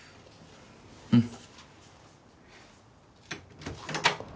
うん。